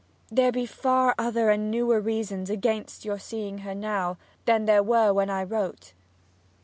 'There be far other and newer reasons against your seeing her now than there were when I wrote.'